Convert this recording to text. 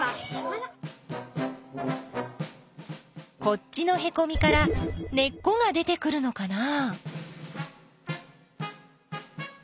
こっちのへこみから根っこが出てくるのかな？